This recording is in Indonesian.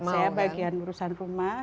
saya bagian urusan rumah